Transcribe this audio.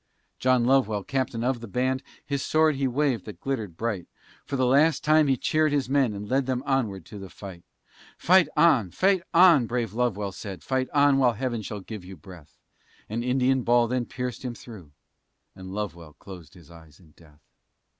John Lovewell, captain of the band, His sword he waved, that glittered bright, For the last time he cheered his men, And led them onward to the fight. Fight on, fight on, brave Lovewell said, Fight on, while heaven shall give you breath An Indian ball then pierced him through, And Lovewell closed his eyes in death.